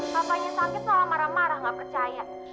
papanya sakit soal marah marah nggak percaya